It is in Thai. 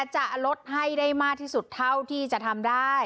จะลดให้ได้มากที่สุดเท่าที่จะทำได้